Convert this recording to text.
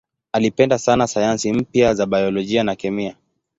Alipenda sana sayansi mpya za biolojia na kemia.